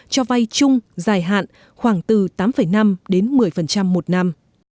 cho vay chung dài hạn khoảng từ tám năm đến một mươi một năm